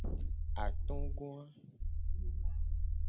Atogoa.